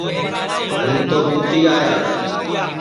ہُوں تو مُوتی آیا